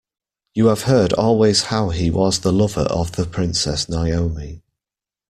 You have heard always how he was the lover of the Princess Naomi.